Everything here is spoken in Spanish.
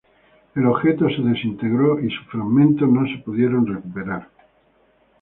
El objeto se desintegró y sus fragmentos no se pudieron recuperar.